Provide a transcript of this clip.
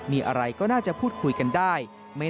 มีอะไรก็น่าจะพูดคุยกันได้